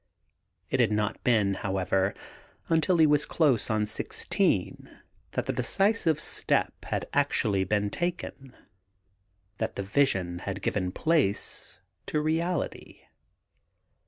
It had not been, however, until he was close on sixteen that the decisive step had been actually taken, that the visi<Hi had given place to reaUty.